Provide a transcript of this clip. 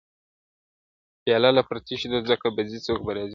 پیا له پر تشېدو ده څوک به ځي څوک به راځي-